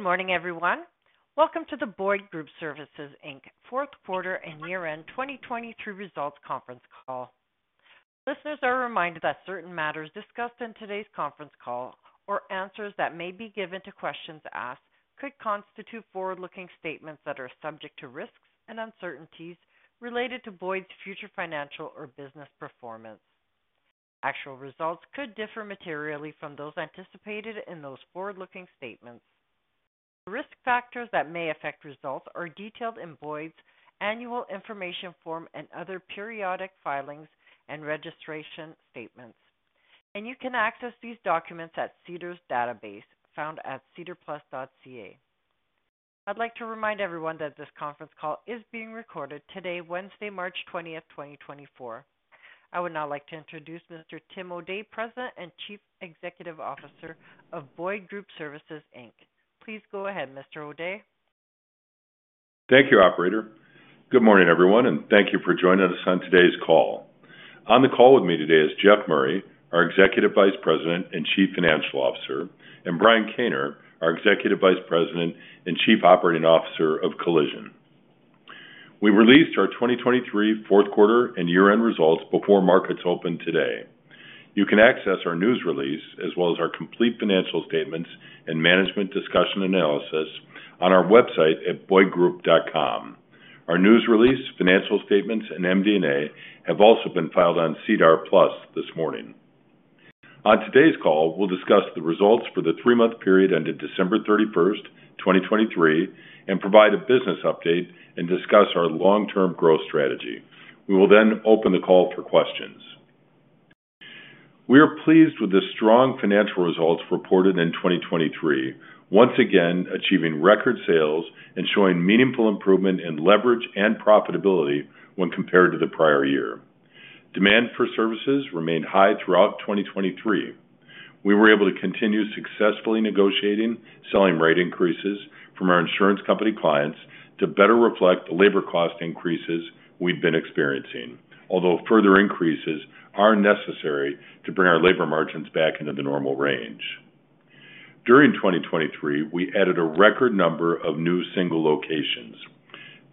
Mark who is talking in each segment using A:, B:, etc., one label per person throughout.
A: Good morning, everyone. Welcome to the Boyd Group Services Inc. fourth quarter and year-end 2023 results conference call. Listeners are reminded that certain matters discussed in today's conference call or answers that may be given to questions asked could constitute forward-looking statements that are subject to risks and uncertainties related to Boyd's future financial or business performance. Actual results could differ materially from those anticipated in those forward-looking statements. Risk factors that may affect results are detailed in Boyd's annual information form and other periodic filings and registration statements. You can access these documents at SEDAR+'s database, found at sedarplus.ca. I'd like to remind everyone that this conference call is being recorded today, Wednesday, March 20, 2024. I would now like to introduce Mr. Tim O'Day, President and Chief Executive Officer of Boyd Group Services Inc. Please go ahead, Mr. O'Day.
B: Thank you, operator. Good morning, everyone, and thank you for joining us on today's call. On the call with me today is Jeff Murray, our Executive Vice President and Chief Financial Officer, and Brian Kaner, our Executive Vice President and Chief Operating Officer of Collision. We released our 2023 fourth quarter and year-end results before markets opened today. You can access our news release as well as our complete financial statements and Management's Discussion and Analysis on our website at boydgroup.com. Our news release, financial statements, and MD&A have also been filed on SEDAR+ this morning. On today's call, we'll discuss the results for the three-month period ended December 31, 2023, and provide a business update and discuss our long-term growth strategy. We will then open the call for questions. We are pleased with the strong financial results reported in 2023, once again, achieving record sales and showing meaningful improvement in leverage and profitability when compared to the prior year. Demand for services remained high throughout 2023. We were able to continue successfully negotiating, selling rate increases from our insurance company clients to better reflect the labor cost increases we've been experiencing, although further increases are necessary to bring our labor margins back into the normal range. During 2023, we added a record number of new single locations.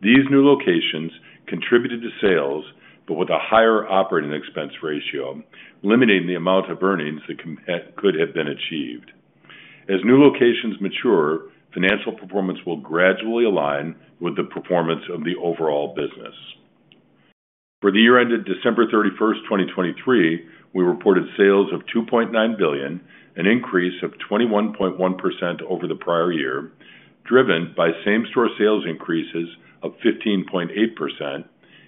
B: These new locations contributed to sales, but with a higher operating expense ratio, limiting the amount of earnings that could have been achieved. As new locations mature, financial performance will gradually align with the performance of the overall business. For the year ended December 31, 2023, we reported sales of 2.9 billion, an increase of 21.1% over the prior year, driven by same-store sales increases of 15.8%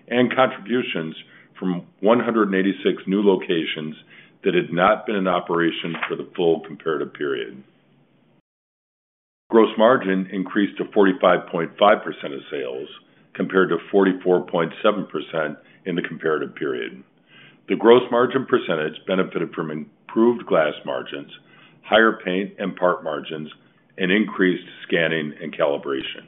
B: and contributions from 186 new locations that had not been in operation for the full comparative period. Gross margin increased to 45.5% of sales, compared to 44.7% in the comparative period. The gross margin percentage benefited from improved glass margins, higher paint and part margins, and increased scanning and calibration.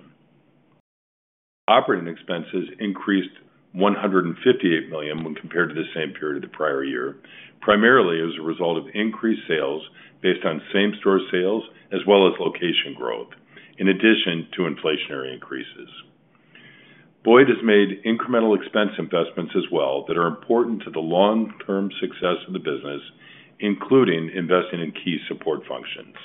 B: Operating expenses increased 158 million when compared to the same period the prior year, primarily as a result of increased sales based on same-store sales as well as location growth, in addition to inflationary increases. Boyd has made incremental expense investments as well that are important to the long-term success of the business, including investing in key support functions.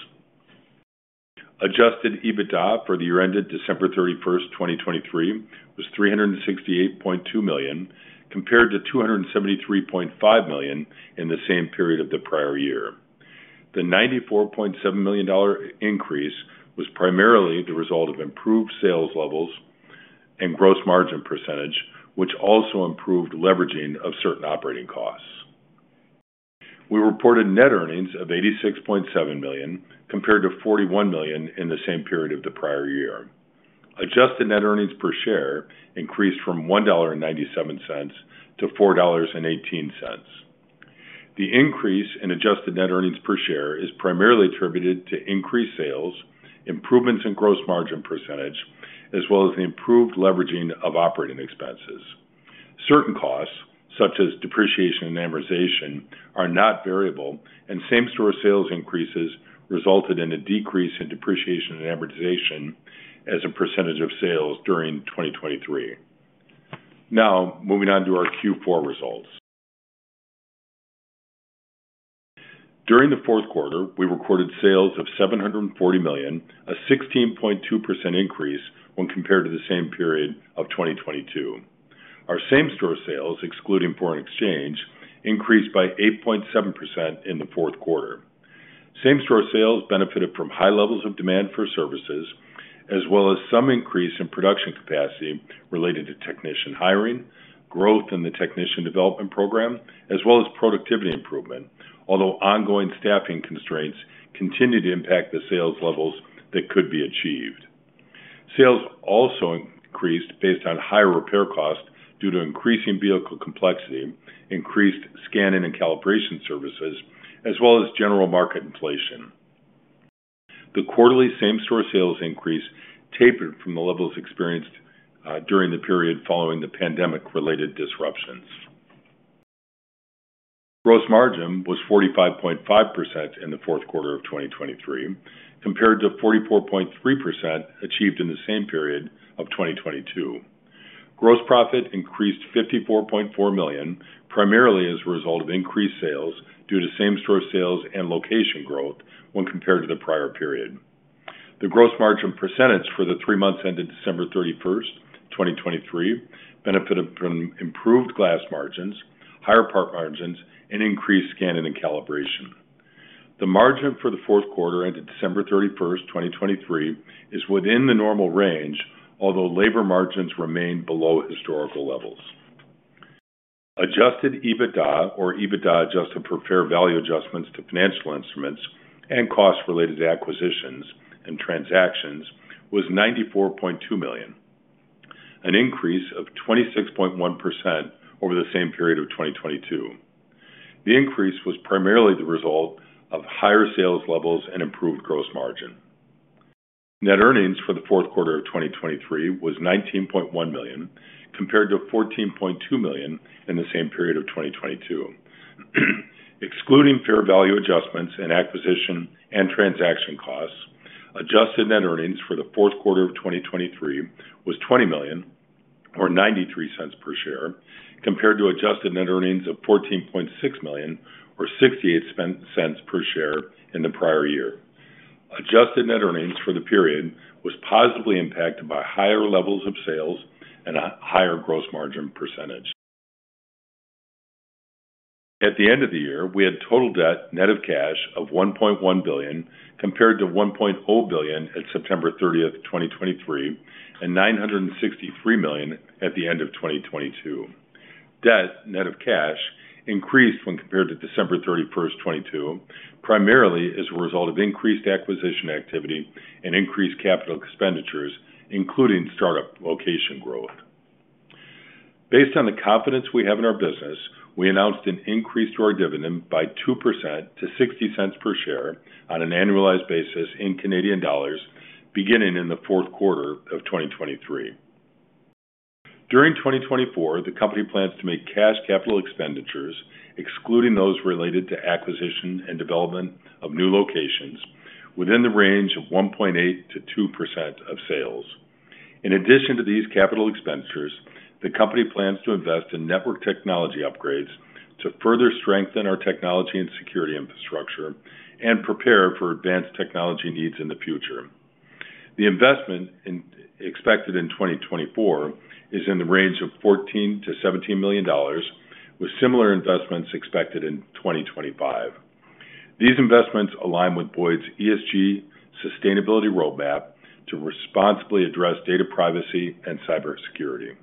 B: Adjusted EBITDA for the year ended December 31, 2023, was 368.2 million, compared to 273.5 million in the same period of the prior year. The $94.7 million increase was primarily the result of improved sales levels and gross margin percentage, which also improved leveraging of certain operating costs. We reported net earnings of 86.7 million, compared to 41 million in the same period of the prior year. Adjusted net earnings per share increased from $1.97-$4.18. The increase in adjusted net earnings per share is primarily attributed to increased sales, improvements in gross margin percentage, as well as the improved leveraging of operating expenses. Certain costs, such as depreciation and amortization, are not variable, and same-store sales increases resulted in a decrease in depreciation and amortization as a percentage of sales during 2023. Now, moving on to our Q4 results. During the fourth quarter, we recorded sales of 740 million, a 16.2% increase when compared to the same period of 2022. Our same-store sales, excluding foreign exchange, increased by 8.7% in the fourth quarter. Same-store sales benefited from high levels of demand for services, as well as some increase in production capacity related to technician hiring, growth in the Technician Development Program, as well as productivity improvement. Although ongoing staffing constraints continued to impact the sales levels that could be achieved. Sales also increased based on higher repair costs due to increasing vehicle complexity, increased scanning and calibration services, as well as general market inflation. The quarterly same-store sales increase tapered from the levels experienced during the period following the pandemic-related disruptions. Gross margin was 45.5% in the fourth quarter of 2023, compared to 44.3% achieved in the same period of 2022. Gross profit increased 54.4 million, primarily as a result of increased sales due to same-store sales and location growth when compared to the prior period. The gross margin percentage for the three months ended December 31, 2023, benefited from improved glass margins, higher part margins, and increased scanning and calibration. The margin for the fourth quarter ended December 31, 2023, is within the normal range, although labor margins remain below historical levels. Adjusted EBITDA, or EBITDA, adjusted for fair value adjustments to financial instruments and costs related to acquisitions and transactions, was 94.2 million, an increase of 26.1% over the same period of 2022. The increase was primarily the result of higher sales levels and improved gross margin. Net earnings for the fourth quarter of 2023 was 19.1 million, compared to 14.2 million in the same period of 2022. Excluding fair value adjustments and acquisition and transaction costs, adjusted net earnings for the fourth quarter of 2023 was 20 million or 0.93 per share, compared to adjusted net earnings of 14.6 million or 0.68 per share in the prior year. Adjusted net earnings for the period was positively impacted by higher levels of sales and a higher gross margin percentage. At the end of the year, we had total debt net of cash of 1.1 billion, compared to 1.0 billion at September 30, 2023, and 963 million at the end of 2022. Debt net of cash increased when compared to December 31, 2022, primarily as a result of increased acquisition activity and increased capital expenditures, including startup location growth. Based on the confidence we have in our business, we announced an increase to our dividend by 2% to 0.60 per share on an annualized basis in Canadian dollars beginning in the fourth quarter of 2023. During 2024, the company plans to make cash capital expenditures, excluding those related to acquisition and development of new locations, within the range of 1.8%-2% of sales. In addition to these capital expenditures, the company plans to invest in network technology upgrades to further strengthen our technology and security infrastructure and prepare for advanced technology needs in the future. The investment expected in 2024 is in the range of $14 million-$17 million, with similar investments expected in 2025. These investments align with Boyd's ESG sustainability roadmap to responsibly address data privacy and cybersecurity.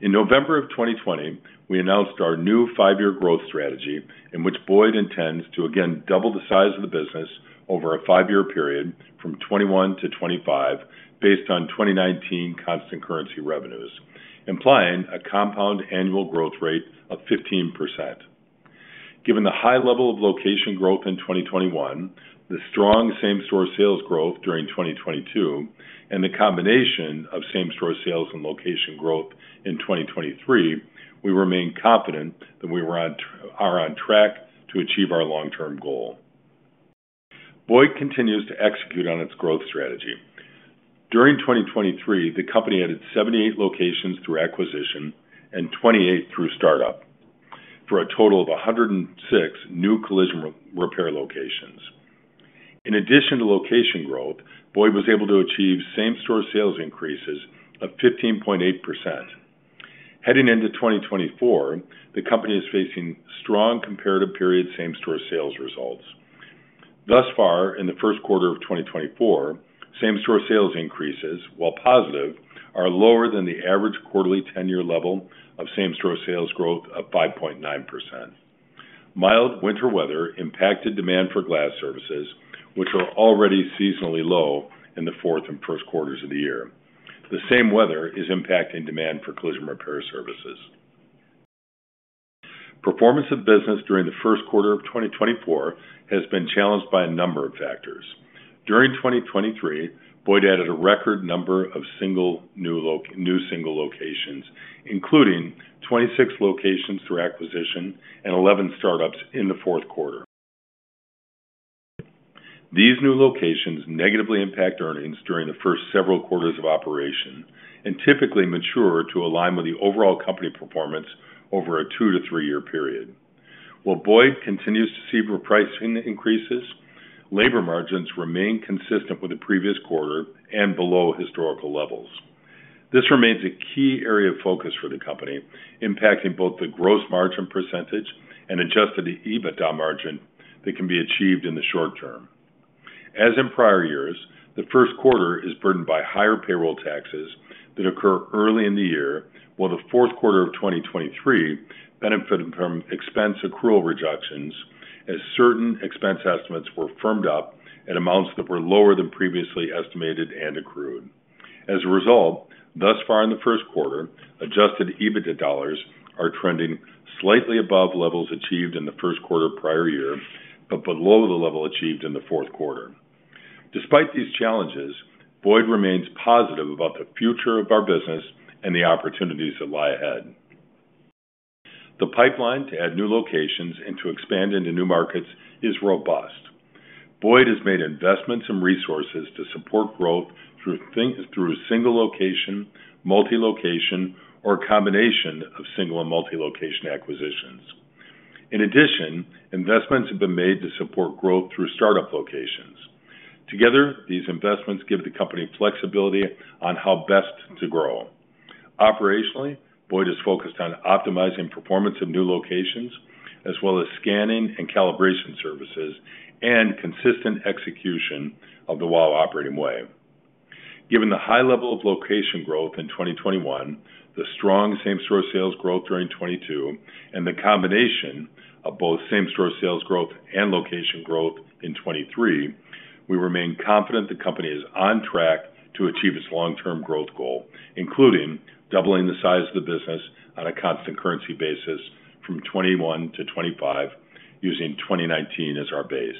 B: In November of 2020, we announced our new five-year growth strategy, in which Boyd intends to again double the size of the business over a five-year period from 2021 to 2025, based on 2019 constant currency revenues, implying a compound annual growth rate of 15%. Given the high level of location growth in 2021, the strong same-store sales growth during 2022, and the combination of same-store sales and location growth in 2023, we remain confident that we are on track to achieve our long-term goal. Boyd continues to execute on its growth strategy. During 2023, the company added 78 locations through acquisition and 28 through startup, for a total of 106 new collision repair locations. In addition to location growth, Boyd was able to achieve same-store sales increases of 15.8%. Heading into 2024, the company is facing strong comparative period same-store sales results. Thus far, in the first quarter of 2024, same-store sales increases, while positive, are lower than the average quarterly ten-year level of same-store sales growth of 5.9%. Mild winter weather impacted demand for glass services, which are already seasonally low in the fourth and first quarters of the year. The same weather is impacting demand for collision repair services. Performance of business during the first quarter of 2024 has been challenged by a number of factors. During 2023, Boyd added a record number of new single locations, including 26 locations through acquisition and 11 startups in the fourth quarter. These new locations negatively impact earnings during the first several quarters of operation and typically mature to align with the overall company performance over a two-three-year period. While Boyd continues to see pricing increases, labor margins remain consistent with the previous quarter and below historical levels. This remains a key area of focus for the company, impacting both the gross margin percentage and Adjusted EBITDA margin that can be achieved in the short term. As in prior years, the first quarter is burdened by higher payroll taxes that occur early in the year, while the fourth quarter of 2023 benefited from expense accrual reductions, as certain expense estimates were firmed up at amounts that were lower than previously estimated and accrued. As a result, thus far in the first quarter, Adjusted EBITDA dollars are trending slightly above levels achieved in the first quarter of prior year, but below the level achieved in the fourth quarter. Despite these challenges, Boyd remains positive about the future of our business and the opportunities that lie ahead. The pipeline to add new locations and to expand into new markets is robust. Boyd has made investments and resources to support growth through single-location, multi-location, or a combination of single- and multi-location acquisitions. In addition, investments have been made to support growth through startup locations. Together, these investments give the company flexibility on how best to grow. Operationally, Boyd is focused on optimizing performance of new locations, as well as scanning and calibration services, and consistent execution of the WOW Operating Way. Given the high level of location growth in 2021, the strong same-store sales growth during 2022, and the combination of both same-store sales growth and location growth in 2023, we remain confident the company is on track to achieve its long-term growth goal, including doubling the size of the business on a constant currency basis from 2021 to 2025, using 2019 as our base.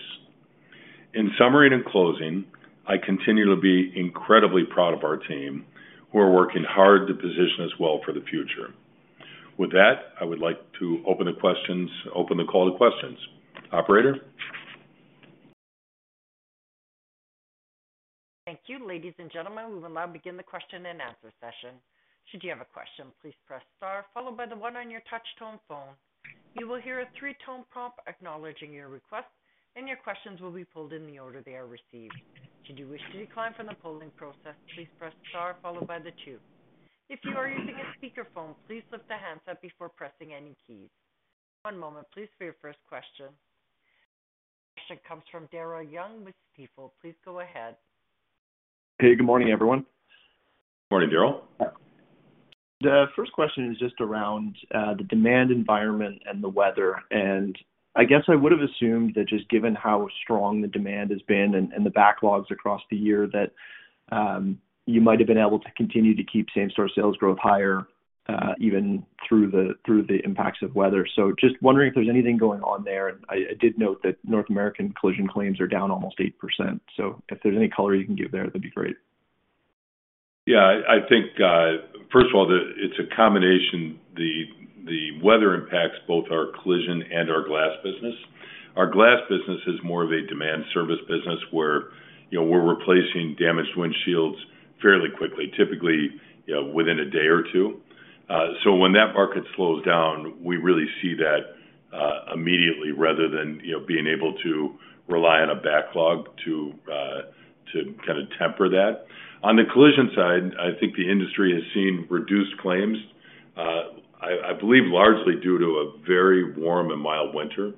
B: In summary and in closing, I continue to be incredibly proud of our team, who are working hard to position us well for the future. With that, I would like to open the call to questions. Operator?
A: Thank you. Ladies and gentlemen, we will now begin the question-and-answer session. Should you have a question, please press star followed by the one on your touch tone phone. You will hear a three-tone prompt acknowledging your request, and your questions will be pulled in the order they are received. Should you wish to decline from the polling process, please press star followed by the two. If you are using a speakerphone, please lift the handset before pressing any keys. One moment, please, for your first question. Comes from Daryl Young with Stifel. Please go ahead.
C: Hey, good morning, everyone.
B: Morning, Daryl.
C: The first question is just around the demand environment and the weather. And I guess I would have assumed that just given how strong the demand has been and, and the backlogs across the year, that you might have been able to continue to keep same-store sales growth higher even through the impacts of weather. So just wondering if there's anything going on there. I did note that North American collision claims are down almost 8%. So if there's any color you can give there, that'd be great.
B: Yeah, I think, first of all, the... it's a combination. The weather impacts both our collision and our glass business. Our glass business is more of a demand service business, where, you know, we're replacing damaged windshields fairly quickly, typically, within a day or two. So when that market slows down, we really see that, immediately rather than, you know, being able to rely on a backlog to, to kind of temper that. On the collision side, I think the industry has seen reduced claims, I believe, largely due to a very warm and mild winter.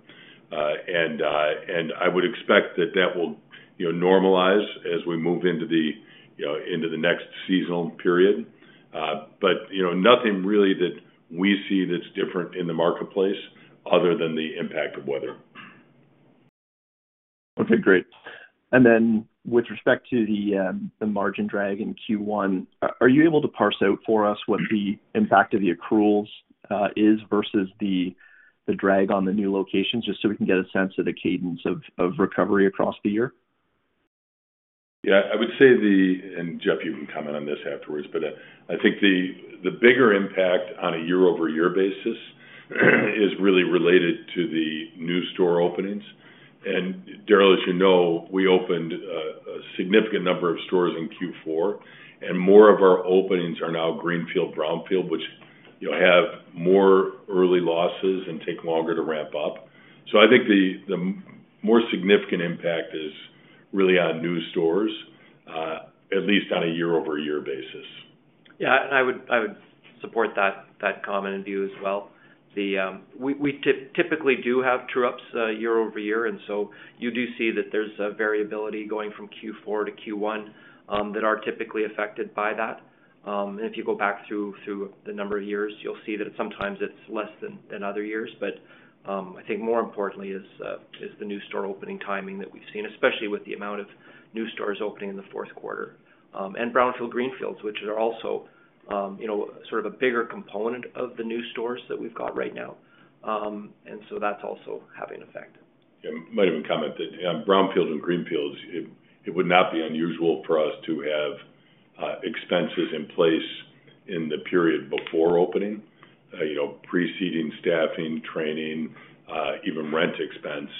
B: And I would expect that that will, you know, normalize as we move into the, you know, into the next seasonal period. But, you know, nothing really that we see that's different in the marketplace other than the impact of weather.
C: Okay, great. And then with respect to the margin drag in Q1, are you able to parse out for us what the impact of the accruals is versus the drag on the new locations, just so we can get a sense of the cadence of recovery across the year?
B: Yeah, I would say, and Jeff, you can comment on this afterwards, but I think the bigger impact on a year-over-year basis is really related to the new store openings. And Daryl, as you know, we opened a significant number of stores in Q4, and more of our openings are now greenfield/brownfield, which, you know, have more early losses and take longer to ramp up. So I think the more significant impact is really on new stores, at least on a year-over-year basis.
D: Yeah, I would, I would support that, that comment and view as well. We typically do have true-ups year-over-year, and so you do see that there's a variability going from Q4-Q1, that are typically affected by that. And if you go back through the number of years, you'll see that sometimes it's less than other years. But, I think more importantly is the new store opening timing that we've seen, especially with the amount of new stores opening in the fourth quarter, and brownfield, greenfields, which are also, you know, sort of a bigger component of the new stores that we've got right now. And so that's also having an effect.
B: Yeah, might even comment that on brownfield and greenfields, it would not be unusual for us to have expenses in place in the period before opening, you know, preceding staffing, training, even rent expense.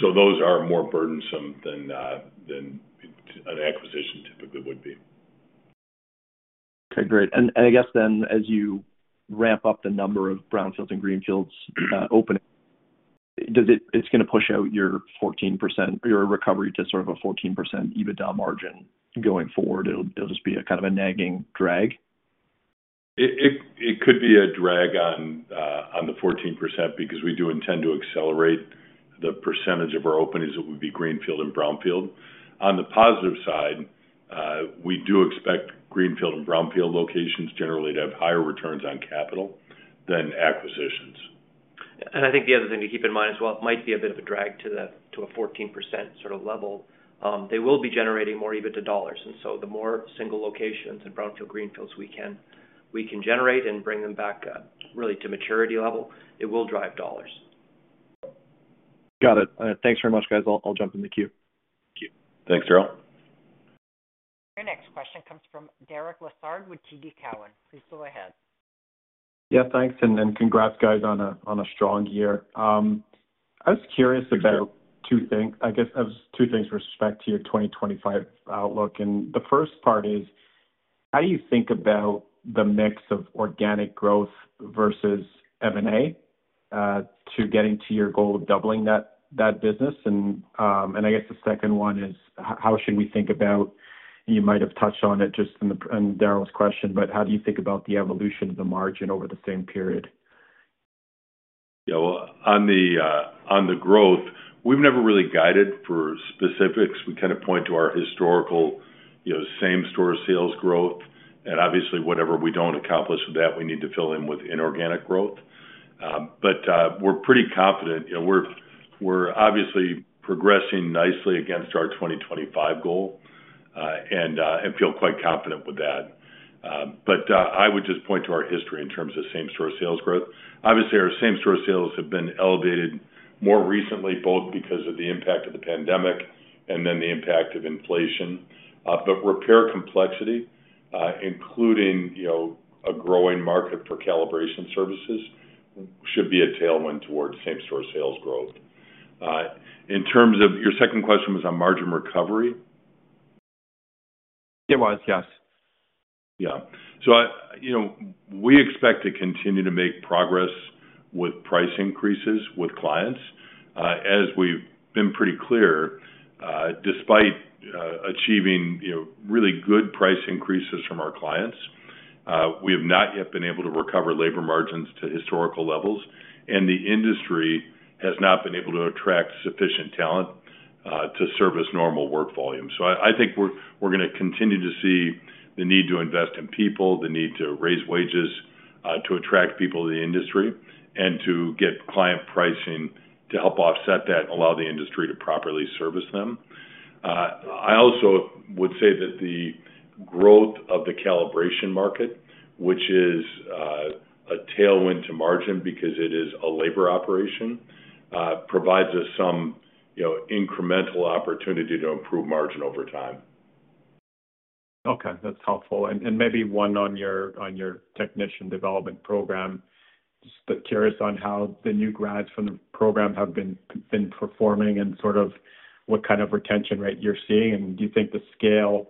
B: So those are more burdensome than an acquisition typically would be.
C: Okay, great. And I guess then, as you ramp up the number of brownfields and greenfields opening, does it? It's gonna push out your 14%, your recovery to sort of a 14% EBITDA margin going forward? It'll just be a kind of a nagging drag.
B: It could be a drag on the 14%, because we do intend to accelerate the percentage of our openings that would be greenfield and brownfield. On the positive side, we do expect greenfield and brownfield locations generally to have higher returns on capital than acquisitions.
D: I think the other thing to keep in mind as well, it might be a bit of a drag to a 14% sort of level. They will be generating more EBITDA dollars, and so the more single locations in brownfield, greenfields we can generate and bring them back, really to maturity level, it will drive dollars....
C: Got it. Thanks very much, guys. I'll, I'll jump in the queue.
E: Thank you.
B: Thanks, Darryl.
A: Your next question comes from Derek Lessard with TD Cowen. Please go ahead.
E: Yeah, thanks, and then congrats, guys, on a, on a strong year. I was curious about two things. I guess two things with respect to your 2025 outlook, and the first part is: how do you think about the mix of organic growth versus M&A to getting to your goal of doubling that, that business? And, and I guess the second one is how should we think about, you might have touched on it just in the, in Daryl's question, but how do you think about the evolution of the margin over the same period?
B: Yeah, well, on the growth, we've never really guided for specifics. We kind of point to our historical, you know, same-store sales growth, and obviously, whatever we don't accomplish with that, we need to fill in with inorganic growth. But, we're pretty confident. You know, we're obviously progressing nicely against our 2025 goal, and feel quite confident with that. I would just point to our history in terms of same-store sales growth. Obviously, our same-store sales have been elevated more recently, both because of the impact of the pandemic and then the impact of inflation. But repair complexity, including, you know, a growing market for calibration services, should be a tailwind toward same-store sales growth. In terms of your second question was on margin recovery?
E: It was, yes.
B: Yeah. So, you know, we expect to continue to make progress with price increases with clients. As we've been pretty clear, despite achieving, you know, really good price increases from our clients, we have not yet been able to recover labor margins to historical levels, and the industry has not been able to attract sufficient talent to service normal work volume. So I think we're gonna continue to see the need to invest in people, the need to raise wages to attract people to the industry, and to get client pricing to help offset that and allow the industry to properly service them. I also would say that the growth of the calibration market, which is a tailwind to margin because it is a labor operation, provides us some, you know, incremental opportunity to improve margin over time.
E: Okay, that's helpful. And maybe one on your Technician Development Program. Just curious on how the new grads from the program have been performing and sort of what kind of retention rate you're seeing. And do you think the scale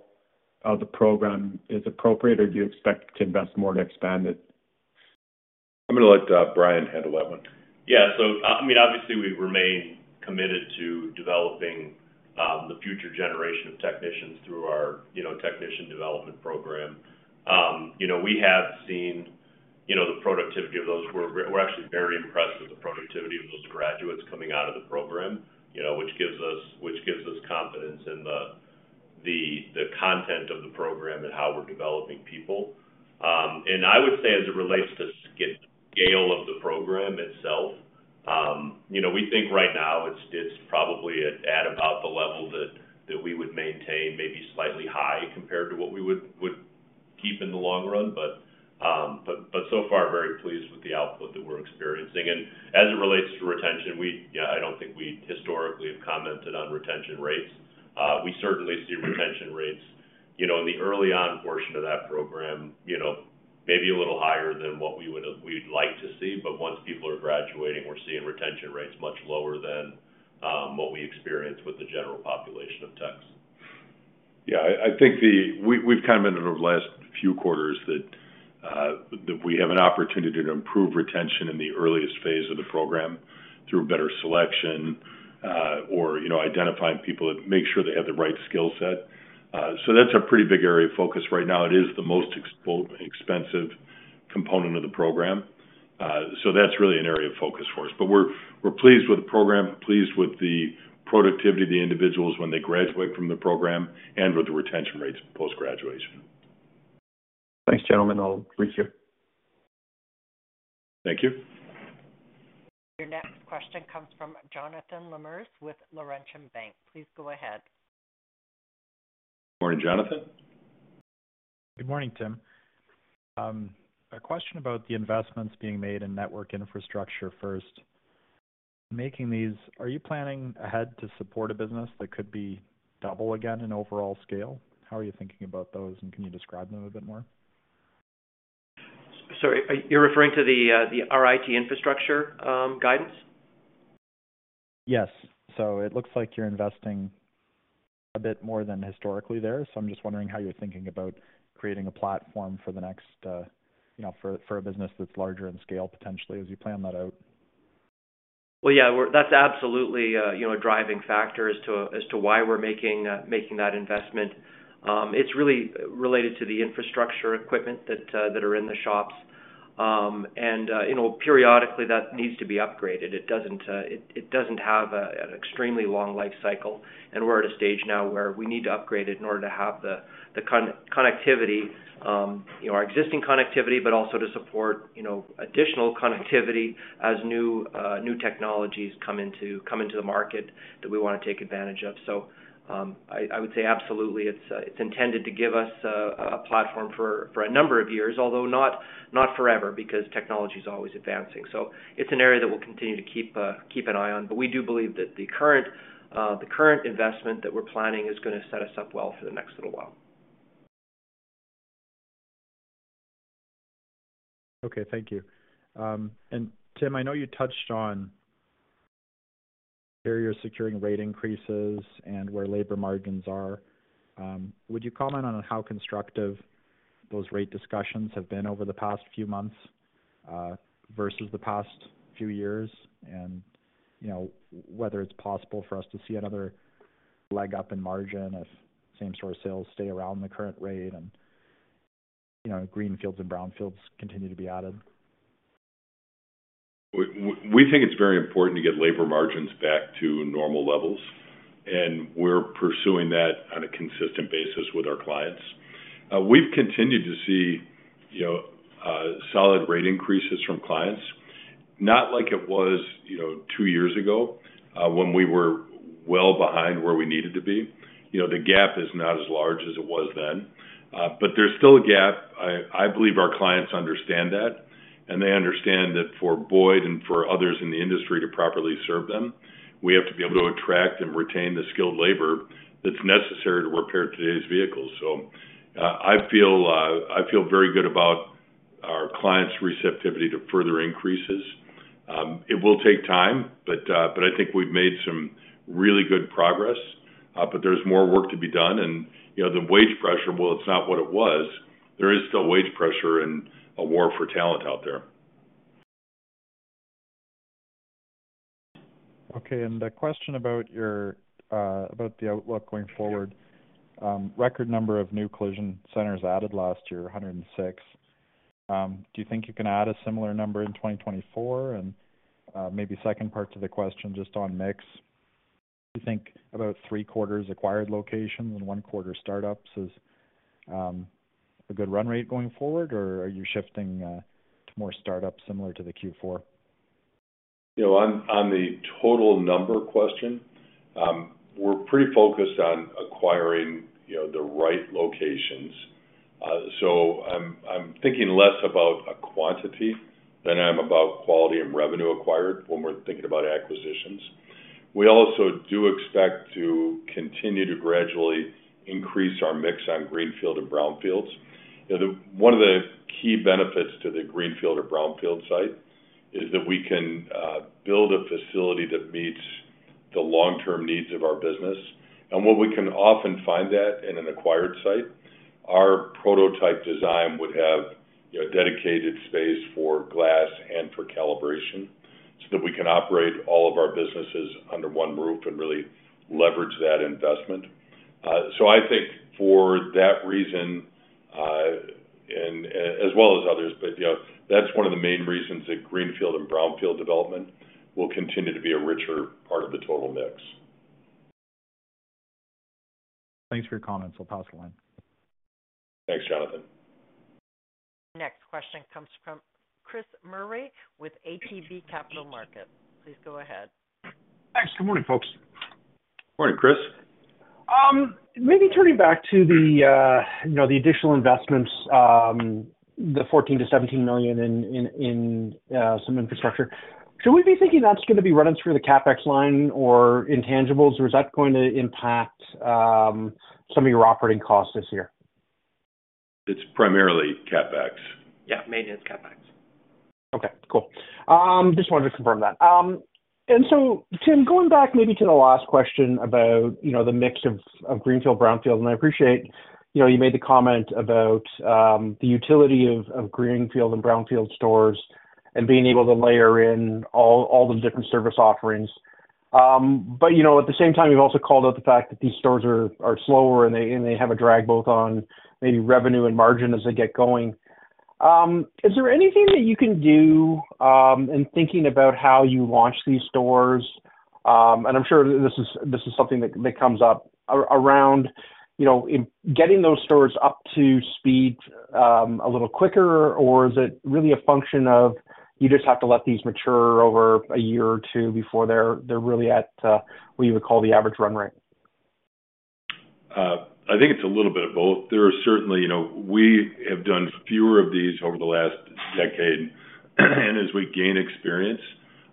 E: of the program is appropriate, or do you expect to invest more to expand it?
B: I'm going to let Brian handle that one.
E: Yeah. So, I mean, obviously, we remain committed to developing the future generation of technicians through our, you know, Technician Development Program. You know, we have seen, you know, the productivity of those. We're actually very impressed with the productivity of those graduates coming out of the program, you know, which gives us confidence in the content of the program and how we're developing people. And I would say, as it relates to scale of the program itself, you know, we think right now it's probably at about the level that we would maintain, maybe slightly high compared to what we would keep in the long run. But so far, very pleased with the output that we're experiencing. As it relates to retention, yeah, I don't think we historically have commented on retention rates. We certainly see retention rates, you know, in the early on portion of that program, you know, maybe a little higher than what we'd like to see. But once people are graduating, we're seeing retention rates much lower than what we experience with the general population of techs.
B: Yeah, I think we, we've commented in the last few quarters that that we have an opportunity to improve retention in the earliest phase of the program through better selection, or, you know, identifying people that make sure they have the right skill set. So that's a pretty big area of focus right now. It is the most expensive component of the program. So that's really an area of focus for us. But we're pleased with the program, pleased with the productivity of the individuals when they graduate from the program and with the retention rates post-graduation.
E: Thanks, gentlemen. I'll reach you.
B: Thank you.
A: Your next question comes from Jonathan Lamers with Laurentian Bank. Please go ahead.
B: Morning, Jonathan.
F: Good morning, Tim. A question about the investments being made in network infrastructure first. Making these, are you planning ahead to support a business that could be double again in overall scale? How are you thinking about those, and can you describe them a bit more?
E: Sorry, are you referring to the our IT infrastructure, guidance?
F: Yes. So it looks like you're investing a bit more than historically there, so I'm just wondering how you're thinking about creating a platform for the next, you know, for a business that's larger in scale, potentially, as you plan that out?
E: Well, yeah, we're, that's absolutely a, you know, driving factor as to why we're making that investment. It's really related to the infrastructure equipment that are in the shops. And, you know, periodically, that needs to be upgraded. It doesn't have an extremely long life cycle, and we're at a stage now where we need to upgrade it in order to have the connectivity, you know, our existing connectivity, but also to support, you know, additional connectivity as new technologies come into the market that we want to take advantage of. So, I would say absolutely, it's intended to give us a platform for a number of years, although not forever, because technology is always advancing. It's an area that we'll continue to keep an eye on. But we do believe that the current investment that we're planning is gonna set us up well for the next little while....
F: Okay, thank you. And Tim, I know you touched on barriers securing rate increases and where labor margins are. Would you comment on how constructive those rate discussions have been over the past few months, versus the past few years? And, you know, whether it's possible for us to see another leg up in margin if same store sales stay around the current rate and, you know, greenfields and brownfields continue to be added.
B: We think it's very important to get labor margins back to normal levels, and we're pursuing that on a consistent basis with our clients. We've continued to see, you know, solid rate increases from clients. Not like it was, you know, two years ago, when we were well behind where we needed to be. You know, the gap is not as large as it was then, but there's still a gap. I believe our clients understand that, and they understand that for Boyd and for others in the industry to properly serve them, we have to be able to attract and retain the skilled labor that's necessary to repair today's vehicles. So, I feel very good about our clients' receptivity to further increases. It will take time, but I think we've made some really good progress. But there's more work to be done. You know, the wage pressure, while it's not what it was, there is still wage pressure and a war for talent out there.
F: Okay, and a question about your outlook going forward. Record number of new collision centers added last year, 106. Do you think you can add a similar number in 2024? And, maybe second part to the question, just on mix. Do you think about three quarters acquired locations and one quarter startups is a good run rate going forward, or are you shifting to more startups similar to the Q4?
B: You know, on the total number question, we're pretty focused on acquiring, you know, the right locations. So I'm thinking less about a quantity than I'm about quality and revenue acquired when we're thinking about acquisitions. We also do expect to continue to gradually increase our mix on greenfield and brownfields. You know, the one of the key benefits to the greenfield or brownfield site is that we can build a facility that meets the long-term needs of our business. And while we can often find that in an acquired site, our prototype design would have, you know, dedicated space for glass and for calibration, so that we can operate all of our businesses under one roof and really leverage that investment. So I think for that reason, and as well as others, but, you know, that's one of the main reasons that greenfield and brownfield development will continue to be a richer part of the total mix.
F: Thanks for your comments. I'll pass it along.
B: Thanks, Jonathan.
A: Next question comes from Chris Murray with ATB Capital Markets. Please go ahead.
G: Thanks. Good morning, folks.
B: Morning, Chris.
G: Maybe turning back to the, you know, the additional investments, the 14-17 million in some infrastructure. Should we be thinking that's gonna be run through the CapEx line or intangibles, or is that going to impact some of your operating costs this year?
B: It's primarily CapEx.
H: Yeah, mainly it's CapEx.
G: Okay, cool. Just wanted to confirm that. And so Tim, going back maybe to the last question about, you know, the mix of, of greenfield, brownfield, and I appreciate, you know, you made the comment about, the utility of, of greenfield and brownfield stores and being able to layer in all, all the different service offerings. But, you know, at the same time, you've also called out the fact that these stores are, are slower and they, and they have a drag both on maybe revenue and margin as they get going. Is there anything that you can do, in thinking about how you launch these stores, and I'm sure this is, this is something that, that comes up around, you know, in getting those stores up to speed, a little quicker, or is it really a function of you just have to let these mature over a year or two before they're, they're really at, what you would call the average run rate?
B: I think it's a little bit of both. There are certainly you know, we have done fewer of these over the last decade, and as we gain experience,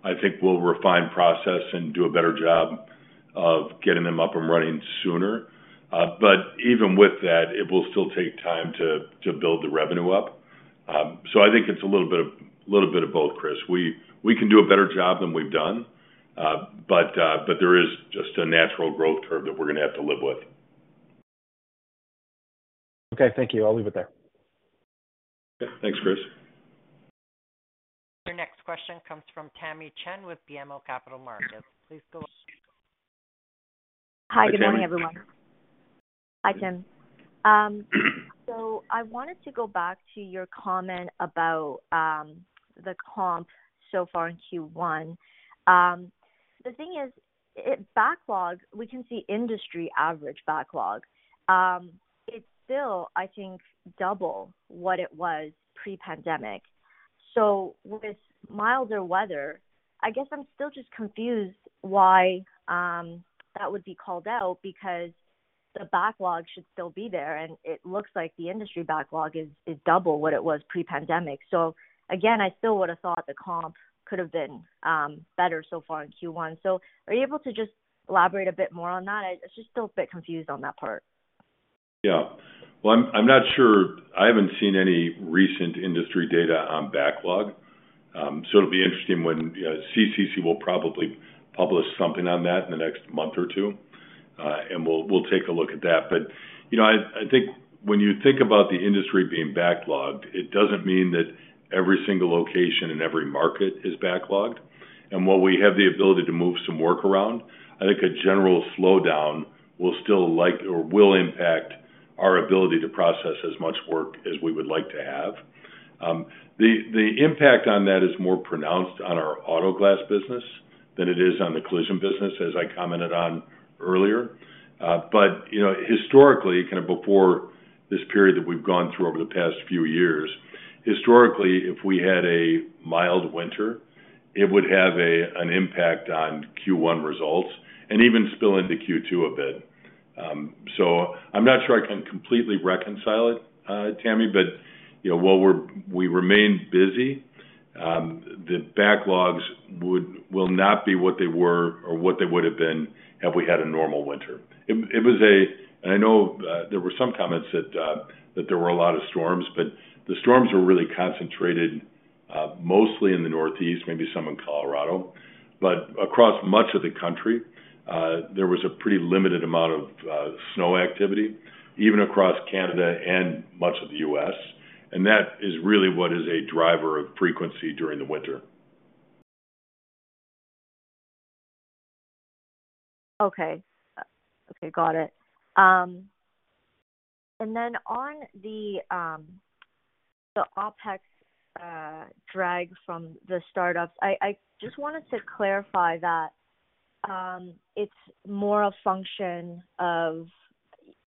B: I think we'll refine process and do a better job of getting them up and running sooner. But even with that, it will still take time to build the revenue up. So I think it's a little bit of both, Chris. We can do a better job than we've done, but there is just a natural growth curve that we're gonna have to live with.
G: Okay, thank you. I'll leave it there.
B: Yeah. Thanks, Chris.
A: Your next question comes from Tamy Chen with BMO Capital Markets. Please go-
I: Hi, good morning, everyone.
B: Hi, Tamy.
I: Hi, Tim. So I wanted to go back to your comment about the comp so far in Q1. The thing is, backlog, we can see industry average backlog. It's still, I think, double what it was pre-pandemic. So with milder weather, I guess I'm still just confused why that would be called out, because the backlog should still be there, and it looks like the industry backlog is double what it was pre-pandemic. So again, I still would have thought the comp could have been better so far in Q1. So are you able to just elaborate a bit more on that? I was just still a bit confused on that part. ...
B: Yeah. Well, I'm, I'm not sure. I haven't seen any recent industry data on backlog. So it'll be interesting when CCC will probably publish something on that in the next month or two, and we'll, we'll take a look at that. But, you know, I, I think when you think about the industry being backlogged, it doesn't mean that every single location in every market is backlogged. And while we have the ability to move some work around, I think a general slowdown will still like or will impact our ability to process as much work as we would like to have. The, the impact on that is more pronounced on our auto glass business than it is on the collision business, as I commented on earlier. But, you know, historically, kind of before this period that we've gone through over the past few years, historically, if we had a mild winter, it would have an impact on Q1 results and even spill into Q2 a bit. So I'm not sure I can completely reconcile it, Tamy, but, you know, while we remain busy, the backlogs will not be what they were or what they would have been had we had a normal winter. It was a... I know there were some comments that there were a lot of storms, but the storms were really concentrated, mostly in the Northeast, maybe some in Colorado. But across much of the country, there was a pretty limited amount of snow activity, even across Canada and much of the US, and that is really what is a driver of frequency during the winter.
I: Okay. Okay, got it. And then on the OpEx drag from the startups, I just wanted to clarify that, it's more a function of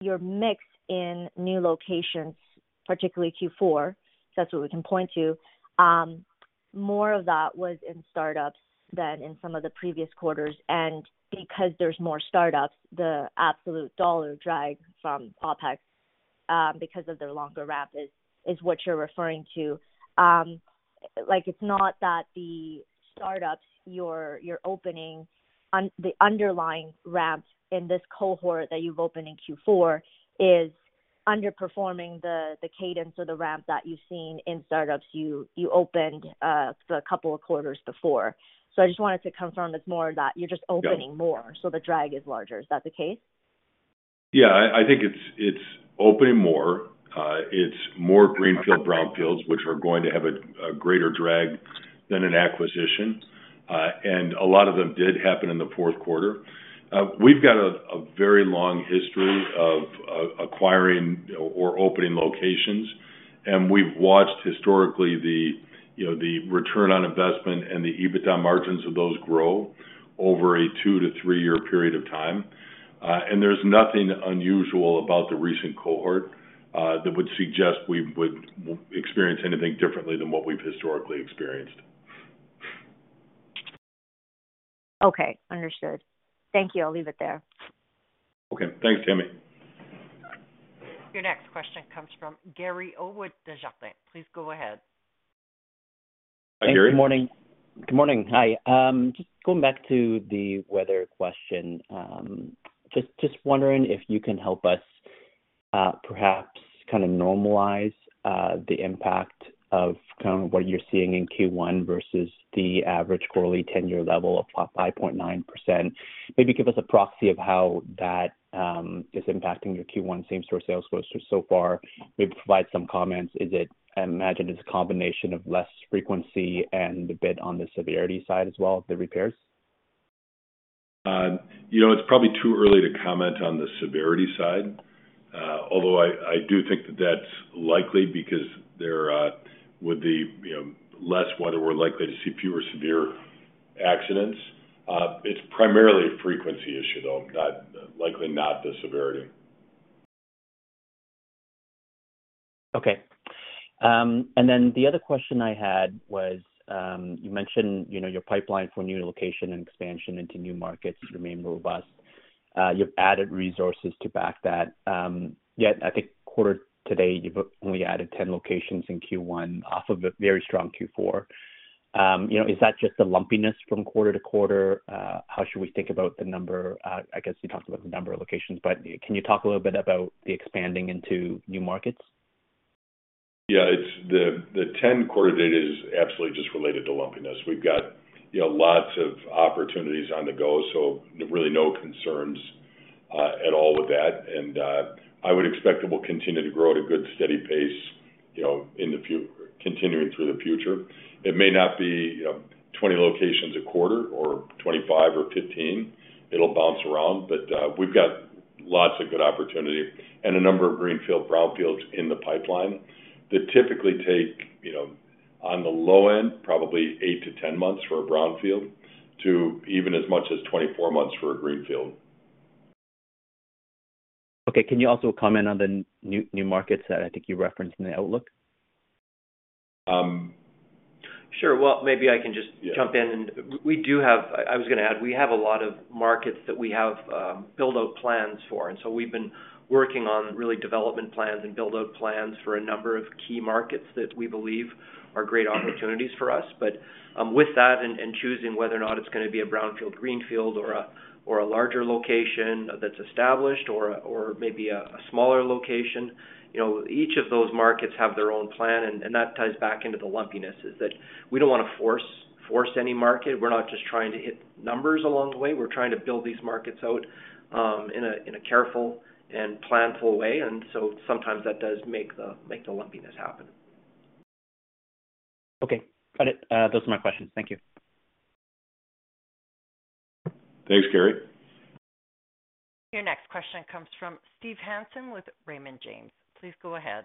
I: your mix in new locations, particularly Q4, if that's what we can point to. More of that was in startups than in some of the previous quarters, and because there's more startups, the absolute dollar drag from OpEx, because of their longer ramp, is what you're referring to. Like, it's not that the startups you're opening, the underlying ramp in this cohort that you've opened in Q4 is underperforming the cadence or the ramp that you've seen in startups you opened the couple of quarters before. So I just wanted to confirm it's more that you're just opening- Got it. more, so the drag is larger. Is that the case?
B: Yeah, I think it's opening more. It's more greenfield, brownfields, which are going to have a greater drag than an acquisition. And a lot of them did happen in the fourth quarter. We've got a very long history of acquiring or opening locations, and we've watched historically the, you know, the return on investment and the EBITDA margins of those grow over a two-three-year period of time. And there's nothing unusual about the recent cohort that would suggest we would experience anything differently than what we've historically experienced.
I: Okay, understood. Thank you. I'll leave it there.
B: Okay. Thanks, Tamy.
A: Your next question comes from Gary Ho. Please go ahead.
B: Hi, Gary.
J: Good morning. Good morning. Hi, just going back to the weather question, just wondering if you can help us, perhaps kind of normalize the impact of kind of what you're seeing in Q1 versus the average quarterly ten-year level of about 5.9%. Maybe give us a proxy of how that is impacting your Q1 same-store sales growth so far. Maybe provide some comments. Is it—I imagine it's a combination of less frequency and a bit on the severity side as well, the repairs?
B: you know, it's probably too early to comment on the severity side, although I, I do think that that's likely because there, with the, you know, less weather, we're likely to see fewer severe accidents. It's primarily a frequency issue, though, not, likely not the severity.
J: Okay. And then the other question I had was, you mentioned, you know, your pipeline for new location and expansion into new markets remain robust. You've added resources to back that. Yet, I think quarter to date, you've only added 10 locations in Q1 off of a very strong Q4. You know, is that just the lumpiness from quarter to quarter? How should we think about the number? I guess you talked about the number of locations, but can you talk a little bit about the expanding into new markets?
B: Yeah, it's the ten-quarter date is absolutely just related to lumpiness. We've got, you know, lots of opportunities on the go, so really no concerns at all with that. And I would expect it will continue to grow at a good, steady pace, you know, continuing through the future. It may not be, you know, 20 locations a quarter or 25 or 15. It'll bounce around, but we've got lots of good opportunity and a number of greenfield, brownfields in the pipeline that typically take, you know, on the low end, probably 8-10 months for a brownfield to even as much as 24 months for a greenfield.
J: Okay. Can you also comment on the new markets that I think you referenced in the outlook?
B: Um-
D: Sure. Well, maybe I can just-
B: Yeah...
D: jump in. And we do have—I was gonna add, we have a lot of markets that we have build-out plans for, and so we've been working on really development plans and build-out plans for a number of key markets that we believe are great opportunities for us. But, with that and choosing whether or not it's gonna be a brownfield, greenfield or a- ...
K: or a larger location that's established or maybe a smaller location, you know, each of those markets have their own plan, and that ties back into the lumpiness, is that we don't wanna force any market. We're not just trying to hit numbers along the way. We're trying to build these markets out in a careful and planful way, and so sometimes that does make the lumpiness happen.
L: Okay, got it. Those are my questions. Thank you.
B: Thanks, Gary.
A: Your next question comes from Steve Hansen with Raymond James. Please go ahead.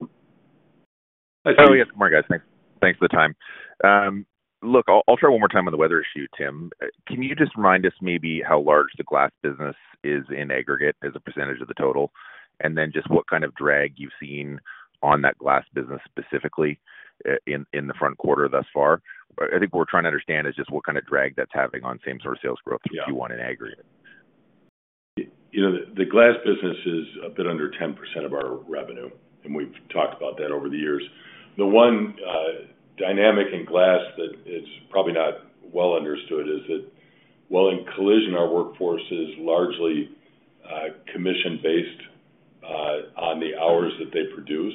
M: Oh, yes, good morning, guys. Thanks. Thanks for the time. Look, I'll, I'll try one more time on the weather issue, Tim. Can you just remind us maybe how large the glass business is in aggregate as a percentage of the total? And then just what kind of drag you've seen on that glass business, specifically, in the front quarter thus far. I think what we're trying to understand is just what kind of drag that's having on same store sales growth-
B: Yeah
M: - in Q1 in aggregate.
B: You know, the glass business is a bit under 10% of our revenue, and we've talked about that over the years. The one dynamic in glass that is probably not well understood is that while in collision, our workforce is largely commission-based on the hours that they produce,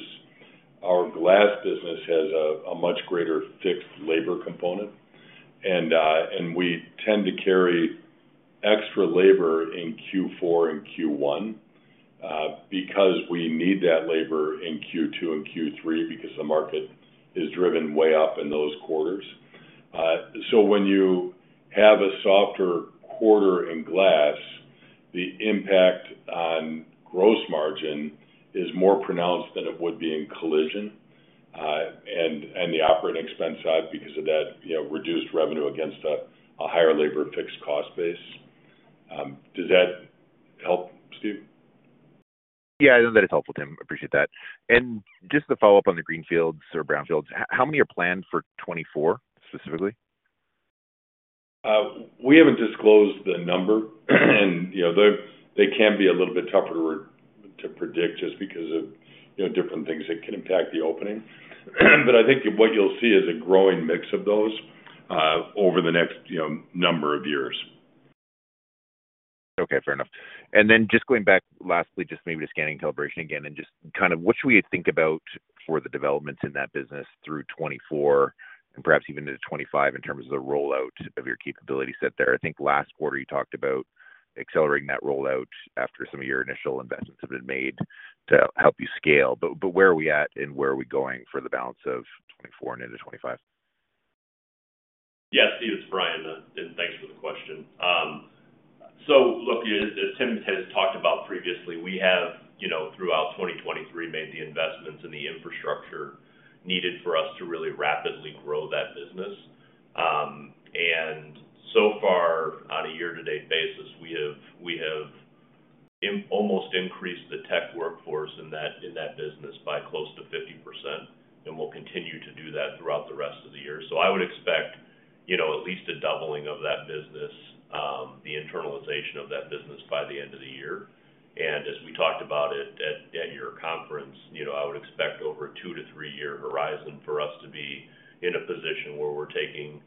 B: our glass business has a much greater fixed labor component. And we tend to carry extra labor in Q4 and Q1 because we need that labor in Q2 and Q3 because the market is driven way up in those quarters. So when you have a softer quarter in glass, the impact on gross margin is more pronounced than it would be in collision, and the operating expense side because of that, you know, reduced revenue against a higher labor fixed cost base. Does that help, Steve?
M: Yeah, that is helpful, Tim. Appreciate that. And just to follow up on the greenfields or brownfields, how many are planned for 2024, specifically?
B: We haven't disclosed the number, and, you know, they, they can be a little bit tougher to predict just because of, you know, different things that can impact the opening. But I think what you'll see is a growing mix of those over the next, you know, number of years.
M: Okay, fair enough. And then just going back, lastly, just maybe to scanning calibration again, and just kind of what should we think about for the developments in that business through 2024 and perhaps even into 2025 in terms of the rollout of your capability set there? I think last quarter you talked about accelerating that rollout after some of your initial investments have been made to help you scale. But where are we at and where are we going for the balance of 2024 and into 2025?
K: Yeah, Steve, it's Brian, and thanks for the question. So look, as Tim has talked about previously, we have, you know, throughout 2023, made the investments in the infrastructure needed for us to really rapidly grow that business. And so far, on a year-to-date basis, we have almost increased the tech workforce in that business by close to 50%, and we'll continue to do that throughout the rest of the year. So I would expect, you know, at least a doubling of that business, the internalization of that business by the end of the year. As we talked about it at, at your conference, you know, I would expect over a two- to three-year horizon for us to be in a position where we're taking,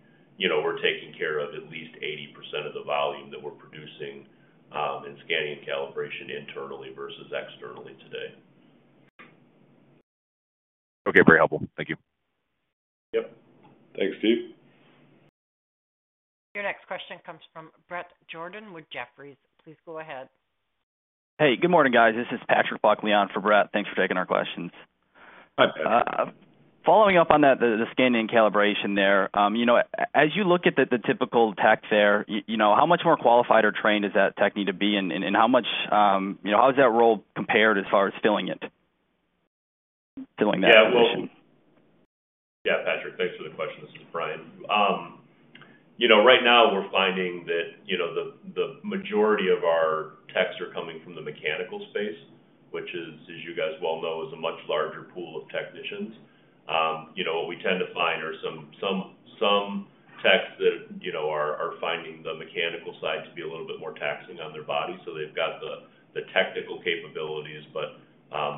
K: you know, we're taking care of at least 80% of the volume that we're producing, in scanning and calibration internally versus externally today.
M: Okay, very helpful. Thank you.
K: Yep.
B: Thanks, Steve.
A: Your next question comes from Bret Jordan with Jefferies. Please go ahead.
L: Hey, good morning, guys. This is Patrick Buckley for Bret. Thanks for taking our questions.
B: Hi, Patrick.
L: Following up on that, the scanning and calibration there, you know, as you look at the typical tech there, you know, how much more qualified or trained does that tech need to be? And how much, you know, how does that role compare as far as filling it, filling that position?
K: Yeah, well... Yeah, Patrick, thanks for the question. This is Brian. You know, right now we're finding that the majority of our techs are coming from the mechanical space, which is, as you guys well know, a much larger pool of technicians. You know, what we tend to find are some techs that are finding the mechanical side to be a little bit more taxing on their body. So they've got the technical capabilities, but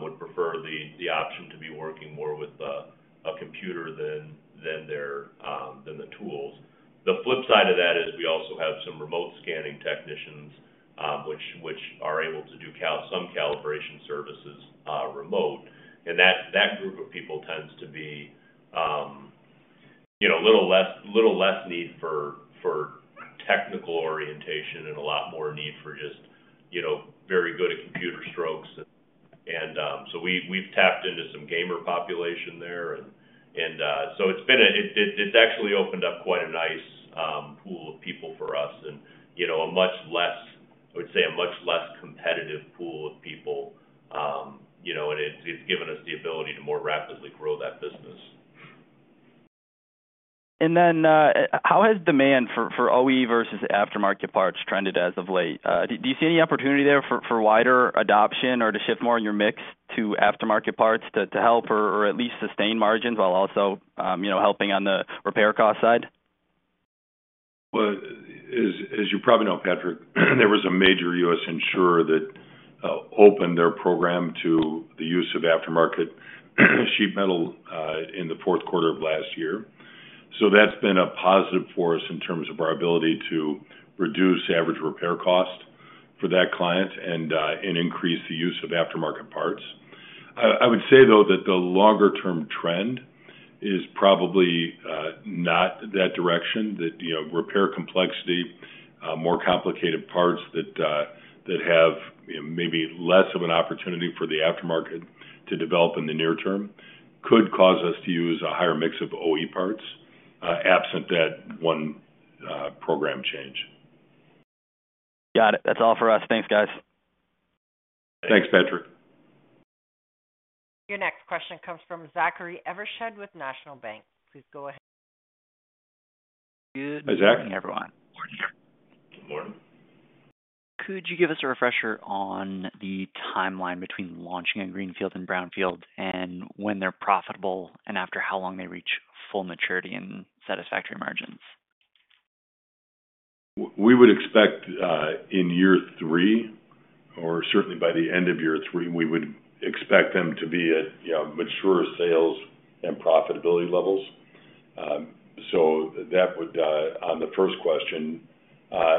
K: would prefer the option to be working more with a computer than their tools. The flip side of that is we also have some remote scanning technicians, which are able to do some calibration services, remote. That group of people tends to be, you know, a little less, little less need for technical orientation and a lot more need for just, you know, very good at computer strokes. And so we've tapped into some gamer population there. And so it's actually opened up quite a nice pool of people for us and, you know, a much less, I would say, a much less competitive pool of people. You know, and it's given us the ability to more rapidly grow that business.
L: And then, how has demand for OE versus aftermarket parts trended as of late? Do you see any opportunity there for wider adoption or to shift more in your mix to aftermarket parts to help or at least sustain margins while also, you know, helping on the repair cost side?
B: Well, as you probably know, Patrick, there was a major U.S. insurer that opened their program to the use of aftermarket sheet metal in the fourth quarter of last year.... So that's been a positive for us in terms of our ability to reduce average repair cost for that client and increase the use of aftermarket parts. I would say, though, that the longer-term trend is probably not that direction, that, you know, repair complexity more complicated parts that have maybe less of an opportunity for the aftermarket to develop in the near term could cause us to use a higher mix of OE parts absent that one program change.
L: Got it. That's all for us. Thanks, guys.
B: Thanks, Patrick.
A: Your next question comes from Zachary Evershed with National Bank. Please go ahead.
B: Hi, Zach.
H: Good morning, everyone.
B: Good morning.
H: Could you give us a refresher on the timeline between launching a greenfield and brownfield, and when they're profitable, and after how long they reach full maturity and satisfactory margins?
B: We would expect, in year three, or certainly by the end of year three, we would expect them to be at, you know, maturer sales and profitability levels. So that would, on the first question,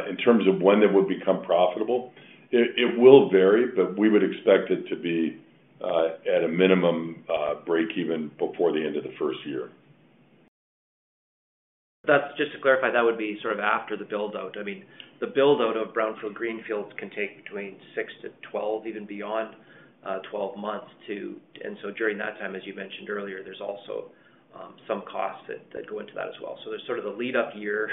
B: in terms of when they would become profitable, it, it will vary, but we would expect it to be, at a minimum, break even before the end of the first year.
D: That's just to clarify, that would be sort of after the build-out. I mean, the build-out of brownfield, greenfields can take between 6-12, even beyond 12 months to... And so during that time, as you mentioned earlier, there's also some costs that go into that as well. So there's sort of the lead-up year,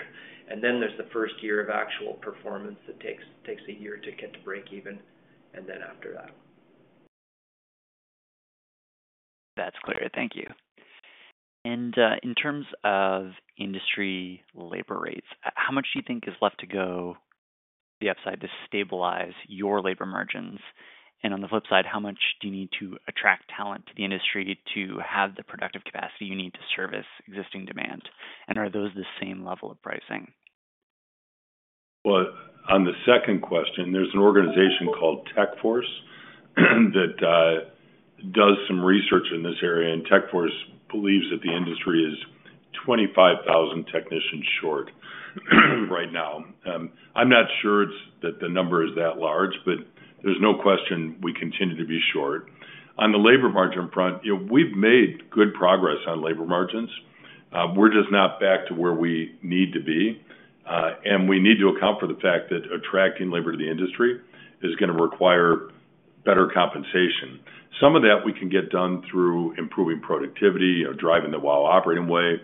D: and then there's the first year of actual performance that takes a year to get to break even, and then after that.
H: That's clear. Thank you. And, in terms of industry labor rates, how much do you think is left to go the upside to stabilize your labor margins? And on the flip side, how much do you need to attract talent to the industry to have the productive capacity you need to service existing demand? And are those the same level of pricing?
B: Well, on the second question, there's an organization called TechForce that does some research in this area, and TechForce believes that the industry is 25,000 technicians short right now. I'm not sure it's that the number is that large, but there's no question we continue to be short. On the labor margin front, you know, we've made good progress on labor margins. We're just not back to where we need to be, and we need to account for the fact that attracting labor to the industry is gonna require better compensation. Some of that we can get done through improving productivity or driving the WOW Operating Way,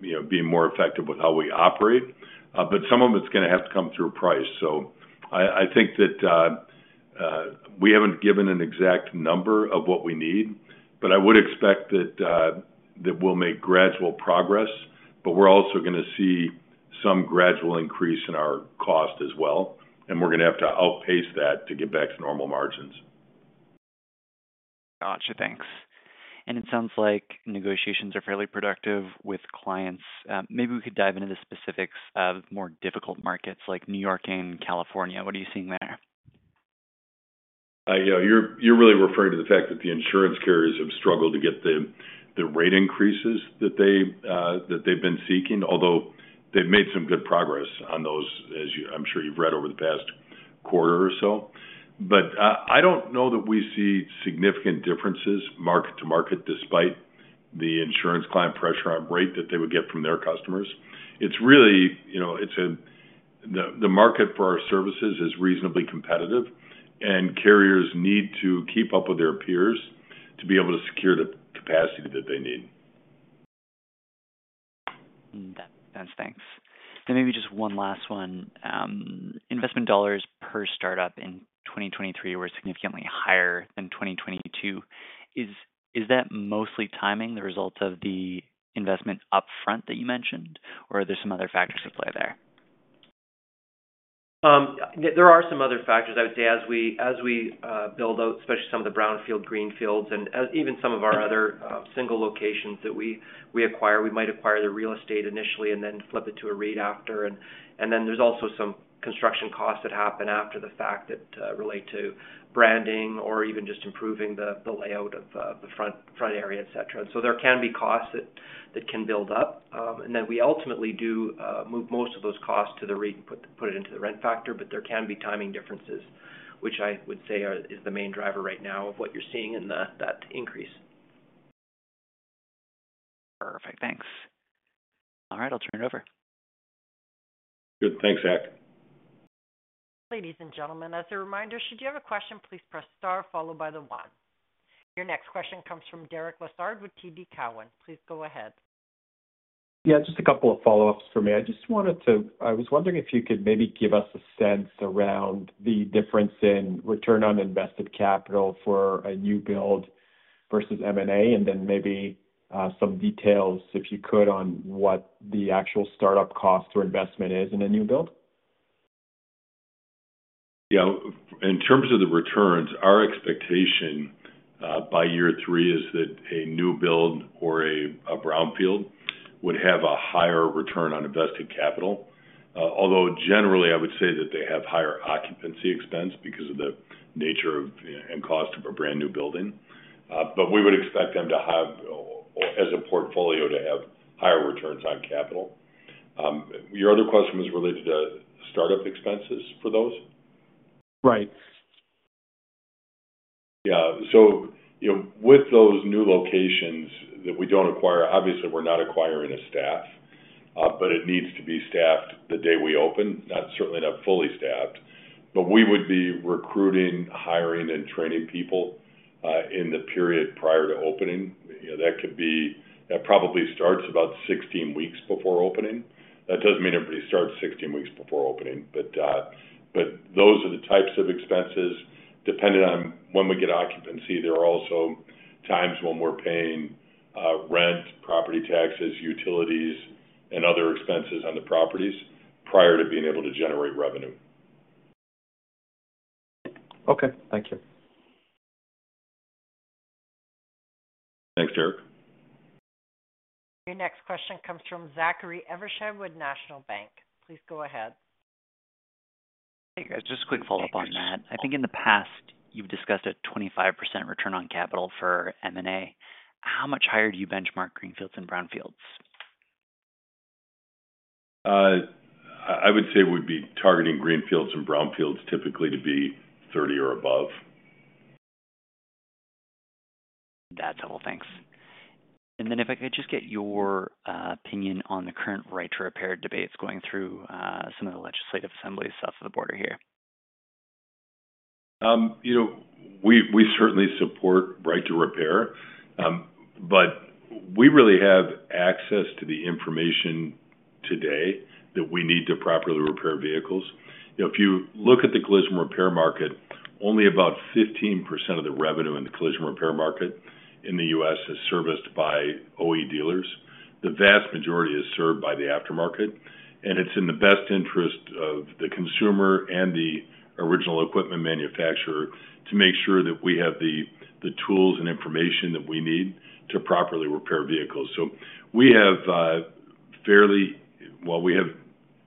B: you know, being more effective with how we operate. But some of it's gonna have to come through price. So I, I think that we haven't given an exact number of what we need, but I would expect that that we'll make gradual progress, but we're also going to see some gradual increase in our cost as well, and we're gonna have to outpace that to get back to normal margins.
H: Got you. Thanks. It sounds like negotiations are fairly productive with clients. Maybe we could dive into the specifics of more difficult markets like New York and California. What are you seeing there?
B: Yeah, you're really referring to the fact that the insurance carriers have struggled to get the rate increases that they've been seeking, although they've made some good progress on those, as you, I'm sure you've read over the past quarter or so. But, I don't know that we see significant differences market to market, despite the insurance client pressure on rate that they would get from their customers. It's really, you know, it's a, the market for our services is reasonably competitive, and carriers need to keep up with their peers to be able to secure the capacity that they need.
H: Thanks. Then maybe just one last one. Investment dollars per startup in 2023 were significantly higher than 2022. Is that mostly timing, the results of the investment upfront that you mentioned, or are there some other factors at play there?
D: There are some other factors, I would say, as we build out, especially some of the brownfield, greenfields, and even some of our other single locations that we acquire. We might acquire the real estate initially and then flip it to a REIT after. And then there's also some construction costs that happen after the fact that relate to branding or even just improving the layout of the front area, et cetera. So there can be costs that can build up. And then we ultimately do move most of those costs to the REIT, and put it into the rent factor, but there can be timing differences, which I would say is the main driver right now of what you're seeing in that increase.
H: Perfect. Thanks. All right, I'll turn it over.
B: Good. Thanks, Zach.
A: Ladies and gentlemen, as a reminder, should you have a question, please press Star followed by the one. Your next question comes from Derek Lessard with TD Cowen. Please go ahead.
B: Yeah, just a couple of follow-ups for me. I just wanted to—I was wondering if you could maybe give us a sense around the difference in return on invested capital for a new build versus M&A, and then maybe some details, if you could, on what the actual startup cost or investment is in a new build? Yeah, in terms of the returns, our expectation by year three is that a new build or a brownfield would have a higher return on invested capital. Although generally, I would say that they have higher occupancy expense because of the nature of and cost of a brand new building. But we would expect them to have, as a portfolio, to have... returns on capital. Your other question was related to startup expenses for those?
H: Right.
B: Yeah. So, you know, with those new locations that we don't acquire, obviously, we're not acquiring a staff, but it needs to be staffed the day we open. Not, certainly not fully staffed, but we would be recruiting, hiring, and training people in the period prior to opening. You know, that could be, that probably starts about 16 weeks before opening. That doesn't mean everybody starts 16 weeks before opening, but those are the types of expenses, depending on when we get occupancy. There are also times when we're paying rent, property taxes, utilities, and other expenses on the properties prior to being able to generate revenue.
E: Okay, thank you.
B: Thanks, Derek.
A: Your next question comes from Zachary Evershed with National Bank Financial. Please go ahead.
H: Hey, guys. Just a quick follow-up on that. I think in the past, you've discussed a 25% return on capital for M&A. How much higher do you benchmark greenfields and brownfields?
B: I would say we'd be targeting greenfields and brownfields typically to be 30 or above.
H: That's all. Thanks. And then if I could just get your opinion on the current Right to Repair debates going through some of the legislative assemblies south of the border here.
B: You know, we, we certainly support Right to Repair, but we really have access to the information today that we need to properly repair vehicles. You know, if you look at the collision repair market, only about 15% of the revenue in the collision repair market in the U.S. is serviced by OE dealers. The vast majority is served by the aftermarket, and it's in the best interest of the consumer and the original equipment manufacturer to make sure that we have the, the tools and information that we need to properly repair vehicles. So we have fairly... Well, we have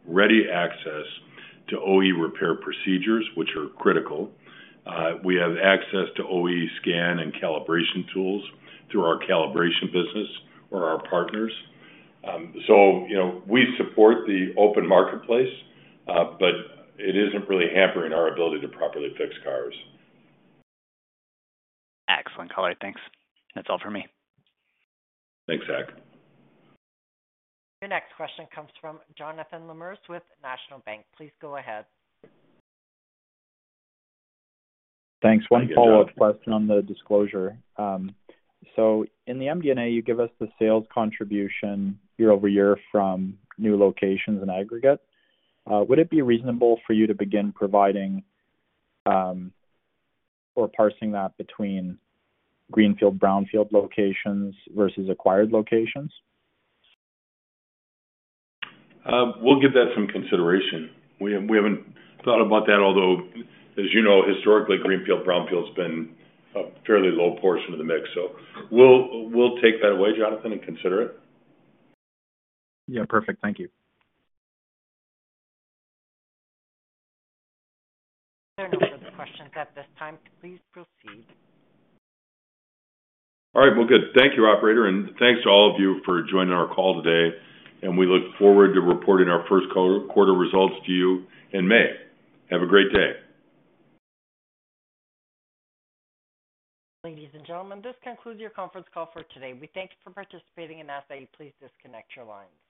B: ready access to OE repair procedures, which are critical. We have access to OE scan and calibration tools through our calibration business or our partners. So, you know, we support the open marketplace, but it isn't really hampering our ability to properly fix cars.
H: Excellent color. Thanks. That's all for me.
B: Thanks, Zach.
A: Your next question comes from Jonathan Lamers with Laurentian Bank. Please go ahead.
F: Thanks.
B: Hi, Jonathan.
F: One follow-up question on the disclosure. So in the MD&A, you give us the sales contribution year over year from new locations in aggregate. Would it be reasonable for you to begin providing, or parsing that between greenfield, brownfield locations versus acquired locations?
B: We'll give that some consideration. We haven't thought about that, although, as you know, historically, greenfield, brownfield's been a fairly low portion of the mix, so we'll take that away, Jonathan, and consider it.
F: Yeah, perfect. Thank you.
A: There are no other questions at this time. Please proceed.
B: All right. Well, good. Thank you, operator, and thanks to all of you for joining our call today, and we look forward to reporting our first quarter results to you in May. Have a great day.
A: Ladies and gentlemen, this concludes your conference call for today. We thank you for participating, and that's it. Please disconnect your lines.